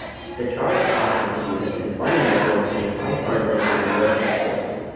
The Charles Koch Institute has been fundamental in heading bipartisan criminal justice reforms.